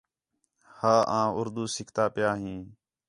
ہا آں اُردو سِکھنا پِیا ہیں